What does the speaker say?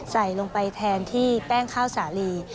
ใส่ลงไปแทนที่แป้งข้าวสาลี